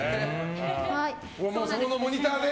そこのモニターで？